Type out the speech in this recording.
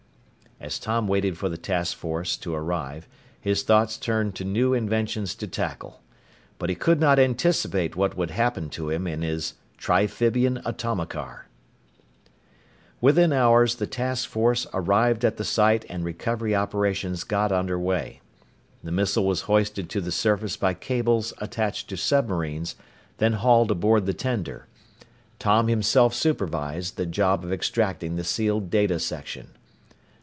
As Tom waited for the task force to arrive, his thoughts turned to new inventions to tackle. But he could not anticipate what would happen to him in his Triphibian Atomicar. Within hours, the task force arrived at the site and recovery operations got under way. The missile was hoisted to the surface by cables attached to submarines, then hauled aboard the tender. Tom himself supervised the job of extracting the sealed data section.